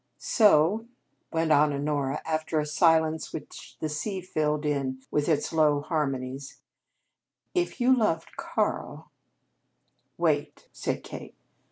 "So," went on Honora, after a silence which the sea filled in with its low harmonies, "if you loved Karl " "Wait!" said Kate.